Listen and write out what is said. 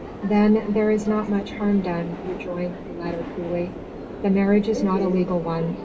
"Then there is not much harm done," rejoined the latter coolly; "the marriage is not a legal one.